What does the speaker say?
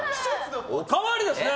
おかわりですね。